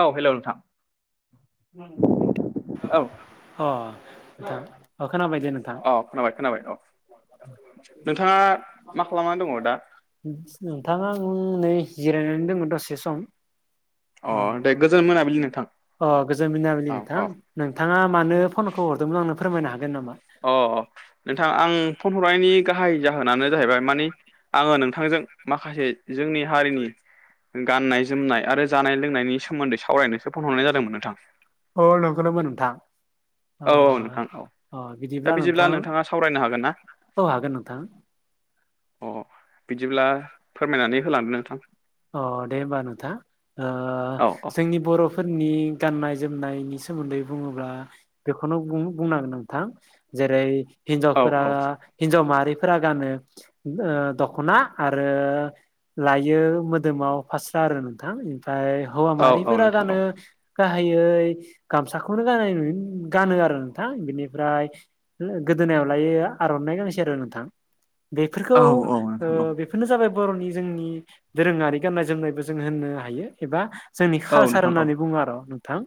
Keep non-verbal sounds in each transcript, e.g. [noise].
औ हेल' नोंथां औ अ नोंथां अ दे नोंथां खोनाबाय औ खोनाबाय खोनाबाय औ नोंथाङा मा खालामनानै दङ दा नोंथाङा आं नै जिरायनानै दङो दसे सम अ दे गोजोन मोनाबिलि नोंथां अ गोजोन मिनाबिलि औ नोंथां औ नोंथाङा मानो फनखो हरदोंमोनल आंनो फोरमायनो हागोन नामा अ नोंथां आं फन हरनायनि गाहाय जाहोनानो जाहैबाय मानि आङो नोंथांजों माखासे जोंनि हारिनि गाननाय जोमनाय आरो जानाय लोंनायनि सोमोन्दै सावरायनोसो फन हरनाय जादोंमोन नोंथां अ नंगौनामा नोंथां ओ औ औ नोंथां औ अ दा बिदिब्ला नोंथां नोंथाङा सावरायनो हागोन ना औ हागोन नोंथां अ बिदिब्ला फोरमायनानै होलांदो नोंथां अ दे होमबा नोंथा ओ औ औ जोंनि बर' फोरनि गाननाय जोमनायनि सोमोन्दै बुङोब्ला बेखौनो बुं बुंनांगोन नोंथां जेरै औ हिनजावफोरा औ हिनजाव माहारिफोरा गानो ओ दख'ना आरो लायो मोदोमाव फास्रा आरो नोंथां ओमफ्राय हौवा औ औ माहारिफोरा नोंथां औ गानो गाहायै गामसाखौनो गाननाय नुयो गानो आरो नोंथां बेनिफ्राय गोदोनायाव लायो आर'नाइ गांसे आरो नोंथां बेफोरखौ औ औ नोंथां औ ओ बेफोरनो जाबाय बर'नि जोंनि दोरोङारि गाननाय जोमनायबो जों होननो हायो एबा जोंनि औ खालसार नोंथां औ होननानै बुङो आर'' नोंथां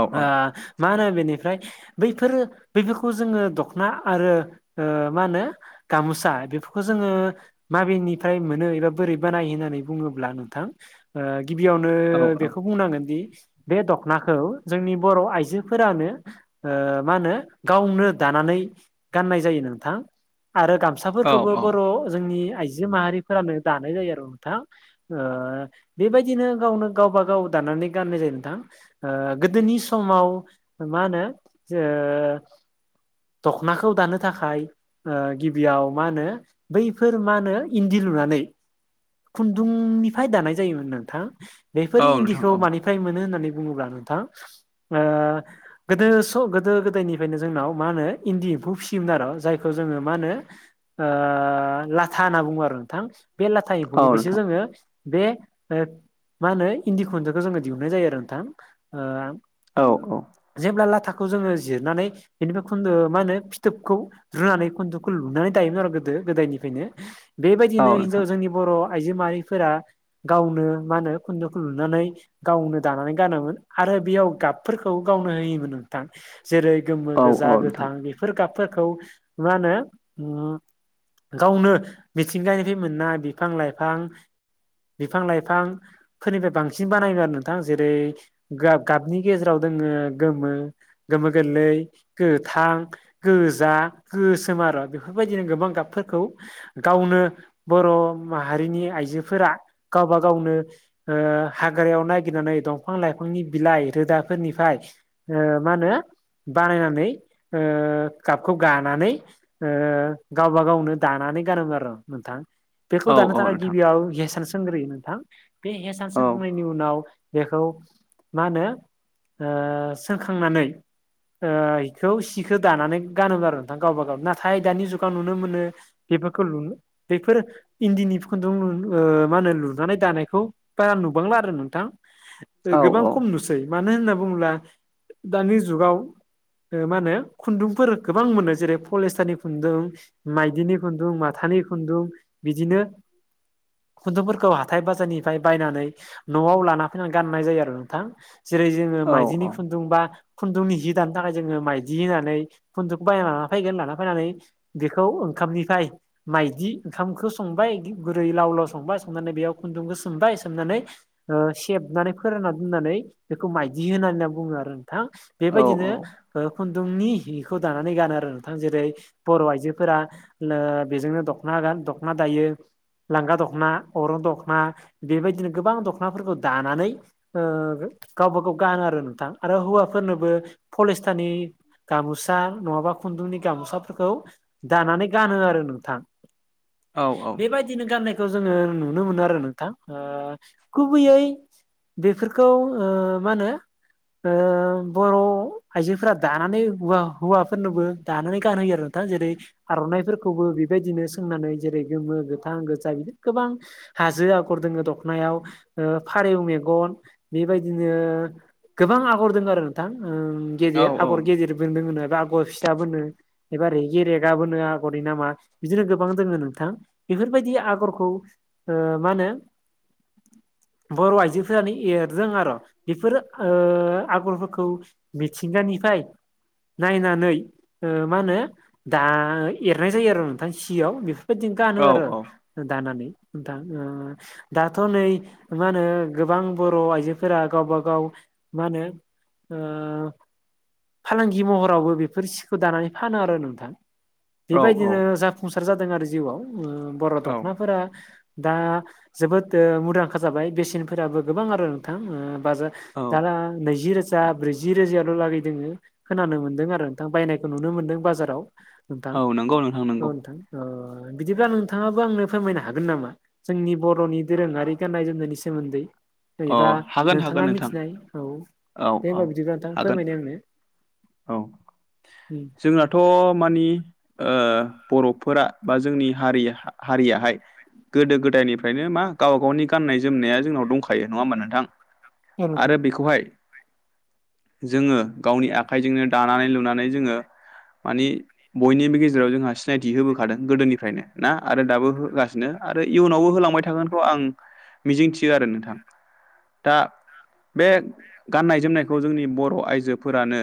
औ ओ औ मा होनो बेनिफ्राय बैफोरो बैफोरखौ जोङो दख'ना आरो ओ मा होनो गाम'सा बेफोरखौ जोङो माबेनिफ्राय मोनो एबा बोरै बानायो होननानै बुङोब्ला नोंथां ओ गिबियावनो औ बेखौ बुंनांगोन दि बे दख'नाखौ जोंनि बर' आइजोफोरानो ओ मा होनो गावनो दानानै गाननाय जायो नोंथां आरो गाम औ साफोरखोबो औ बर' जोंनि आइजो माहारिफोरानो दानाय जायो आरो नोंथां ओ बेबायदिनो गावनो गावबा गाव दानानै गाननाय जायो नोंथां ओ गोदोनि समाव मा होनो ओ दख'नाखौ दानो थाखाय ओ गिबियाव मा होनो बैफोर मा होनो इन्दि लुनानै खुन्दुंनिफ्राय दानाय जायोमोन नोंथां औ बेफोर नोंथां औ इन्दिखौ मानि फ्राय मोनो होननानै बुङोब्ला नोंथां ओ गोदो स गोदो गोदायनिफ्रायनो जोंनाव मा होनो इन्दि एम्फौ फिसियोमोन आरो जायखौ जोङो मा होनो ओ लाथा होनना बुङो आरो नोंथां बे लाथा औ एम्फौनिफ्रायसो नोंथां जोङो बे ओ मा होनो इन्दि खुनखौ जोङो दिहुननाय जायो आरो नोंथां ओ औ औ जेब्ला लाथाखौ जोङो जिरनानै बेनिफ्राय खुन्दो मा होनो फिथोबखौ रुनानै खुन्दुखौ लुनानै दायोमोन आरो गोदो गोदायनिफ्रायनो औ बेबायदिनो हिनजाव नोंथां जोंनि बर' आइजो माहारिफोरा गावनो मा होनो खुन्दोखौ लुनानै गावनो दानानै गानोमोन आरो बियाव गाबफोरखौ गावनो होयोमोन नोंथां जेरै गोमो औ औ गोजा नोंथां गोथां बेफोर गाबफोरखौ मा होनो गावनो मिथिंगानिफ्राय मोननाय बिफां लाइफां बिफां लाइफां फोरनिफ्राय बांसिन बानायोम आरो नोंथां जेरै गाब गाबनि गेजेराव दोङो गोमो गोमो गोरलै गोथां गोजा गोसोम आरो बेफोरबायदिनो गोबां गाबफोरखौ गावनो बर' माहारिनि आइजोफोरा गावबा गावनो ओ हाग्रायाव नागिरनानै दंफां लाइफांनि बिलाइ रोदाफोरनिफ्राय ओ मा होनो बानायनानै ओ गाबखौ गानानै ओ गावबा गावनो दानानै गानोमोन आरो नोंथां बेखौ औ दानो औ थाखाय नोंथां गिबियाव हेसान सोंग्रोयो नोंथां बे हेसान औ सोंखांनायनि उनाव बेखौ मा होनो ओ सोंखांनानै ओ इखौ सिखौ दानानै गानोमोन आरो नोंथां गावबा गाव नाथाय दानि जुगाव नुनो मोनो बेफोरखौ लुनो बेफोरो इन्दिनि खुन्दुं ओ मा होनो लुनानै दानायखौ बारा नुबांला आरो नोंथां। औ गोबां खम नुसै मानो होनना बुङोब्ला दानि जुगाव ओ मा होनो खुन्दुंफोर गोबां मोनो जेरै पलिस्टारनि खुन्दुं माइदिनि खुन्दुं माथानि खुन्दुं बिदिनो खुन्दुंफोरखौ हाथाय बाजारनिफ्राय बायनानै न'आव लाना फैनानै गाननाय जायो आरो नोंथां। जेरै जोङो औ औ माइदिनि खुन्दुंबा खुन्दुंनि हि दानो थाखाय जोङो माइदि होननानै खुन्दुंखौ बायना लाना फैगोन लाना फैनानै बेखौ ओंखामनिफ्राय माइदि ओंखामखौ स संबाय गुरै लाव लाव संबाय संनानै बेयाव खुन्दुंखौ सोमबाय सोमनानै - ओ सेबनानै फोरानना दोननानै बेखौ माइदि होनानै होनना बुङो आरो नोंथां बेबायदिनो औ ओ खुन्दुंनि हिखौ दानानै गानो आरो नोंथां जेरै बर' आइजोफोरा नो बेजोंनो दख'ना गान दख'ना दायो। लांगा दख'ना अरं दख'ना बेबायदिनो गोबां दख'नाफोरखौ दानानै ओ गावबा गाव गान आरो नोंथां आरो हौवाफोरनोबो पलिस्टारनि गामोसा नङाबा खुन्दुंनि गामसाफोरखौ दानानै गानो आरो नोंथां। औ बेबायदिनो गाननायखौ जोङो नुनो मोनो आरो नोंथां ओ गुबैयै बेफोरखौ ओ मा होनो ओ बर' आइजोफोरा दानानै हुवा हौवाफोरनोबो दानानै गानहोयो आरो। थां जेरै आर'नाइफोरखौबो बेबायदिनो सोंनानै जेरै गोमो गोथां गोजा बिदि गोबां हाजो आगर दोङो दखनायाव फारौ मेगन बेबायदिनो गोबां आगर दोङो आरो नोंथां गेदेर आगर गेदेर औ फोर दोङोनो राग' फिसा बोनो एबा रेगि रेगा बोनो आगरनि नामा बिदिनो गोबां दोङो नों थां बेफोरबायदि आगरखौ ओ मा होनो बर' आइजोफोरानो एरदों आर' बेफोरो ओ आगरफोरखौ मिथिंगानिफाय नायनानै ओ मा होनो दा एरनाय जायो आरो नोंथां सियाव बे दि गानो आरो दानानै थां ओ दाथ' नै मा होनो गोबां बर' आइजोफोरा गावबा गाव मा होनो ओ फालांगि महरावबो बेफोर सिखौ दानानै फानो आरो नोंथां। बेबायदिनो जाफुंसार जादों आरो जिउआव बर' ओ औ दख'नाफोरा दा जोबोद ओ मुदांखा जाबाय बेसेनफोराबो गोबां आरो नोंथां ओ बाजार औ दाना नैजि रोज जा ब्रैजि रोजायाल' लागै दोङो खोनानो मोनदों आरो नोंथां बायनायखौ नुनो मोनदों बाजाराव। नोंथां नंगौ नोंथां औ नंगौ नोंथां अ बिदिब्ला नोंथाङाबो आंनो फोरमायनो हागोन नामा जोंनि बर'नि दोरोङारि गाननाय जोमनायनि सोमोन्दै अ बा हागोन हागोन नोंथाङा नोंथां मिथिनाय औ औ दे औ होनबा बिदिबा नोंथां हागोन फोरमायनाय आंनो। औ उम जोंनाथ' मानि ओ बर'फोरा बा जोंनि हारि हारियाहाय गोदो गोदायनिफ्रायनो मा गाव गावनि गाननाय जोमनाया जोंनाव दंखा खायो नङा होमबा नोंथां आंनो आरो उम बेखौहाय जोङो गावनि आखाइजोंनो दानानै लुनानै जोङो मानि बयनिबो गेजेराव जोंहा सिनायथि होबोखादों गोदोनिफ्रायनो ना आरो दाबो होगासिनो। आरो इयुनावबो होलांबाय थागोनखौ आं मिजिंथियो आरो नोंथां। दा बे गाननाय जोमनायखौ जोंनि बर' आइजोफोरानो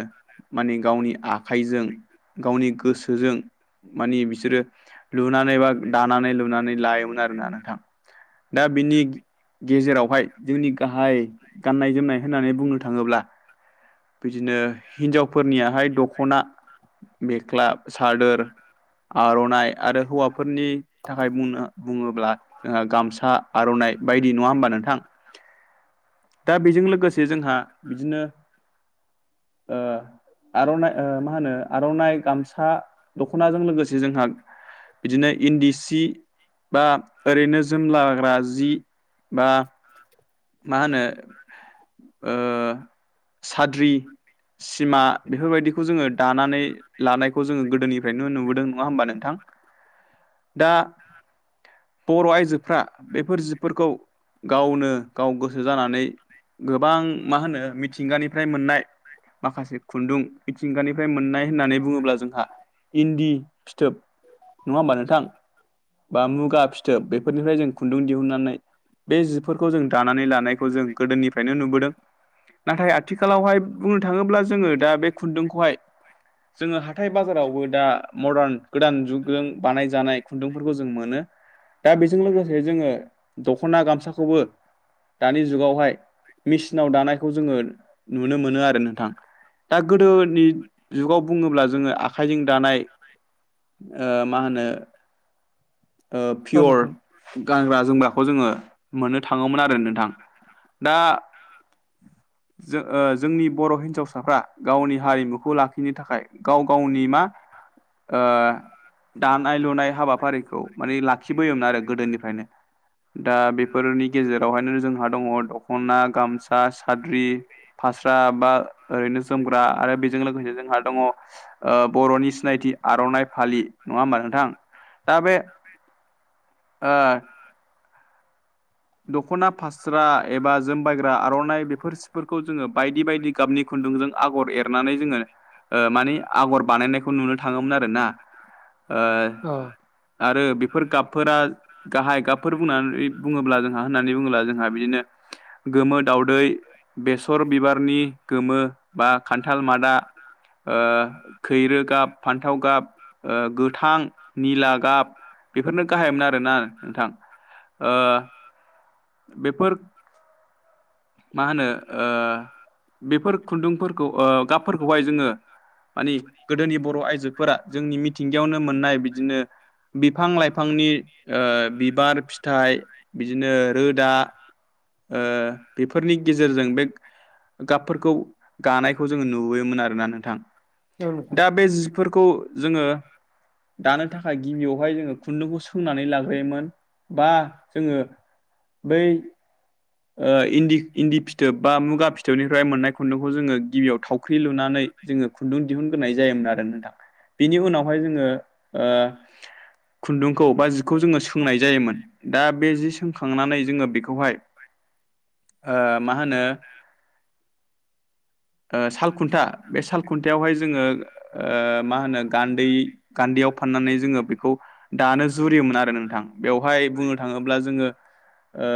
माने गावनि आखाइजों गावनि गोसोजों मानि बिसोरो लुनानै बा दानानै लुनानै लायोमोन आरोना नोंथां। दा बिनि गेजेरावहाय जोंनि गाहाय गाननाय जोमनाय होननानै बुंनो थाङोब्ला बिदिनो हिनजावफोरनियाहाय दख'ना मेख्ला सादोर, आर'नाइ आरो हौवाफोरनि थाखाय बुंनो बुङोब्ला ओ गामसा आर'नाइ बायदि नङा होमबा नोंथां? दा बेजों लोगोसे जोंहा बिदिनो ओ आर'नाइ ओ मा होनो आर'नाइ गामसा दख'नाजों लोगोसे जोंहा बिदिनो इन्दि सि बा ओरैनो जोम लाग्रा जि बा मा होनो ओ साद्रि सिमा बेफोरबायदिखौ जोङो दानानै लानायखौ जोङो गोदोनिफ्रायनो नुबोदों नङा होमबा नोंथां? दा बर' आइजोफ्रा बेफोर जिफोरखौ गावनो गाव गोसो जानानै गोबां मा होनो मिथिंगानिफ्राय मोननाय माखासे खुन्दुं मिथिंगानिफ्राय मोननाय होननानै बुङोब्ला जोंहा इन्दि फिथोब नङा होमबा नोंथां? बा मुगा फिथोब बेफोरनिफ्राय जों खुन्दुं दिहुननानै बे जिफोरखौ जों दानानै लानायखौ जों गोदोनिफ्रायनो नुबोदों। नाथाय आथिखालावहाय बुंनो थाङोब्ला जोङो दा बे खुन्दुंखौहाय जोङो हाथाय बाजारावबो दा मदार्न गोदान जुगजों बानायजानाय खुन्दुंफोरखौ जों मोनो। दा बेजों लोगोसे जोङो दख'ना गामसाखौबो दानि जुगावहाय मेसिनाव दानायखौ जोङो नुनो मोनो आरो नोंथां। दा गोदोनि जुगाव बुङोब्ला जोङो आखाइजों दानाय ओ मा होनो ओ औ नोंथां पियर गानग्रा जोमग्राखौ जोङो मोननो थाङोमोन आरो नोंथां दा जै जोंनि बर' हिन्जावसाफ्रा गावनि हारिमुखौ लाखिनो थाखाय गाव गावनि मा ओ दानाय लुनाय हाबाफारिखौ माने लाखिबोयोमोन आरो गोदोनिफ्रायनो दा बेफोरनि गेजेर नो जोंहा दङ दखना, गामसा, साद्रि, फास्रा बा ओरैनो जोमग्रा आरो बेजों लोगोसेनो जोंहा दङ ओ बर'नि सिनायथि आर'नाइ फालि नङा होमबा नोंथां दा बे ओ दख'ना फास्रा एबा जोमबायग्रा आर'नाइ बेफोर सिफोरखौ जोङो बायदि बायदि गाबनि खुन्दुंजों आगर एरनानै जोङो ओ मानि आगर बानायनायखौ नुनो थाङोमोन आरोना। ओ औ नोंथां अ आरो बेफोर गाबफोरा गाहाय गाबफोर बुंनानै बुङोब्ला जों होननानै बुङोब्ला जोंहा बिदिनो गोमो दावदै, बेसर बिबारनि गोमो बा खान्थाल मादा ओ खैरो गाब, फान्थाव गाब ओ गोथां, निला गाब बेफोरनो गाहायोन आरोना नोंथां ओ बेफोर मा होनो ओ बेफोर खुन्दुंफोरखौ ओ गाबफोरखौहाय जोङो माने गोदोनि बर' आइजोफोरा जोंनि मिथिंगायावनो मोननाय बिदिनो बिफां लाइफांनि ओ बिबार फिथाइ बिदिनो रोदा ओ बेफोरनि गेजेरजों बे गाबफोरखौ गानायखौ जोङो नुबोयोमोन आरोना नोंथां औ नोंथां दा बे जिफोर खौ जोङो दानो थाखाय गिबियावहाय जोङो खुन्दुंखौ सोंनानै लाग्रोयोमोन बा जोङो बै ओ इन्दि इन्दि फिथोब बा मुगा फिथोबनिफ्राय मोननाय खुन्दुंखौ जोङो गिबियाव थावख्रि लुनानै जोङो खुन्दुं दिहुनग्रोनाय जायोमोन आरो नोंथां बिनि उनावहाय जोङो ओ खुन्दुंखौ बा जिखौ जोङो सोंनाय जायोमोन दा बे जि सोंखांनानै जोङो बेखौहाय [unintelligible] ओ मा होनो [inaudible] ओ सालखुन्था बे साल खुन्थायावहाय जोङो ओ मा होनो गान्दै गान्दैयाव फाननानै जोङो बेखौ दानो जुरियोमोन आरो नोंथां बेवहाय बुंनो थाङोब्ला जोङो ओ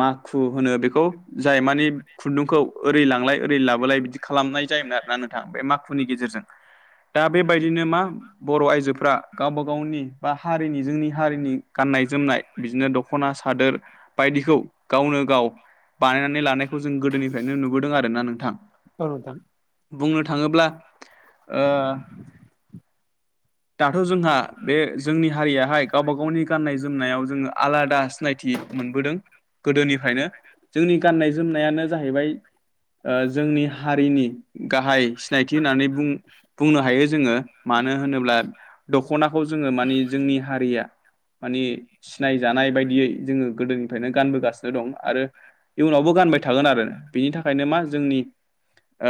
माखु होनो बेखौ जाय मानि खुन्दुंखौ ओरै लांलाय ओरै लाबोलाय बिदि खालामनाय जायोमोन आरोना नोंथां बे माखुनि गेजेरजों दा बेबायदिनो मा बर' आइजोफ्रा गावबा गावनि बा हारिनि जोंनि हारिनि गाननाय जोमनाय बिदिनो दख'ना सादोर बिदिखौ गावनो गाव बानायनानै लानायखौ जों गोदोनिफ्रायनो नुबोदों आरो ना नोंथां। औ नोंथां बुंनो थाङोब्ला ओ दाथ' जोंहा बे जोंनि हारियाहाय गावबा गावनि गाननाय जोमनायाव जोङो आलादा सिनायथि मोनबोदों गोदोनिफ्रायनो जोंनि गाननाय जोमनायानो जाहैबाय ओ जोंनि हारिनि गाहाय सिनायथि होननानै बुं बुंनो हायो जोङो मानो होनोब्ला दख'नाखौ जोङो मानि जोंनि हारिया माने सिनायजानाय बायदियै जोङो जोंनिफ्रायनो गानबोगासिनो दं आरो इयुनावबो गानबाय थागोन आरो बिनि थाखायनो मा जोंनि ओ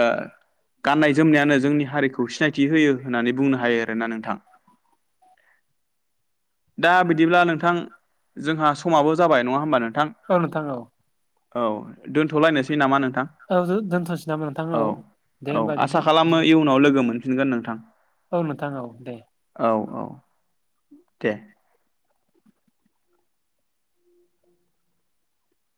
गाननाय जोमनायानो जोंनि हारिखौ सिनायथि होयो होननानै बुंनो हायो आरो ना नोंथां। [inaudible] दा बिदिब्ला नोंथां जोंहा समाबो जाबाय नङा होमबा नोंथां औ नोंथां औ औ दोनथ'लायनोसै नामा नों थां औ दोनथ'नोसै नामा नोंथां औ दे औ होमबा आसा बिदि खालामो बिदिबा इयुनाव लोगो मोनफिनगोन नोंथां। औ नोंथां औ दे। औ औ दे